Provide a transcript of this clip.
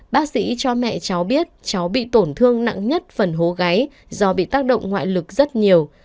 bác sĩ cho mẹ cháu biết cháu bị tổn thương nặng nhất phần hố gáy do bị tác động ngoại lực rất nhiều